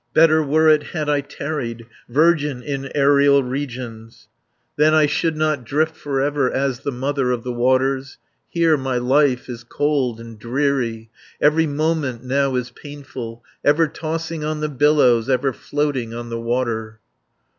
160 "Better were it had I tarried, Virgin in aerial regions, Then I should not drift for ever, As the Mother of the Waters. Here my life is cold and dreary, Every moment now is painful, Ever tossing on the billows, Ever floating on the water.